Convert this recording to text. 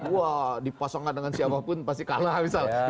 wah dipasangkan dengan siapapun pasti kalah misalnya